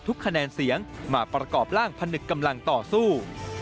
คะแนนเสียงมาประกอบร่างพนึกกำลังต่อสู้